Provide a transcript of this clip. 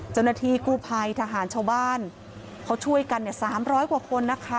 เจ้าหน้าที่กู้ภัยทหารชาวบ้านเขาช่วยกันเนี่ย๓๐๐กว่าคนนะคะ